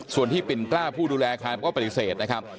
ส่วนที่ปิ่นกล้าผู้ดูแลอาคารก็ปฏิเสธนะครับ